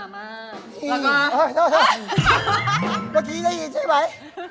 เมื่อกี้ได้ยินใช่ไหม